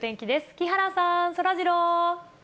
木原さん、そらジロー。